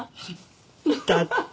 だって。